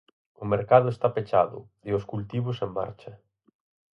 O mercado está pechado, e os cultivos en marcha.